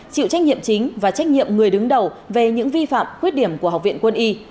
chịu trách nhiệm chính và trách nhiệm người đứng đầu về những vi phạm khuyết điểm của học viện quân y